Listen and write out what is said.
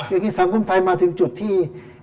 อย่างนี้สังคมไทยมาถึงจุดที่